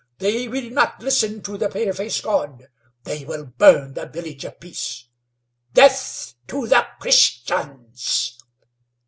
They will not listen to the paleface God. They will burn the Village of Peace. Death to the Christians!"